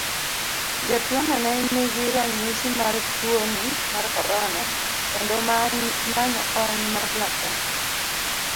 Jatuono ne nigi ranyisi mar tuoni mar korona kendo manyo kony mar laktar.